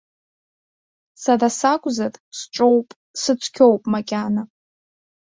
Сара сакәзар, сҿоуп, сыцқьоуп макьана.